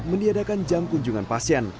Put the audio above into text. meniadakan jam kunjungan